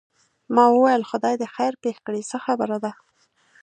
ما وویل خدای دې خیر پېښ کړي څه خبره ده.